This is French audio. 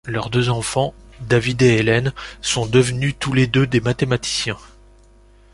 Leurs deux enfants, David et Ellen, sont devenus tous les deux des mathématiciens.